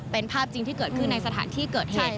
เป็นภาพจริงที่เกิดขึ้นในสถานที่เกิดเหตุ